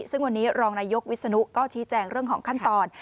ซึ่งวันนี้รองนายกวิศนุก็ชี้แจงเรื่องของขั้นตอน